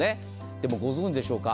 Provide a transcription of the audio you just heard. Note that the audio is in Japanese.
でもご存じでしょうか。